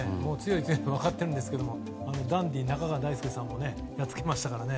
強いのは分かっているんですけども中川大輔さんもやっつけましたから。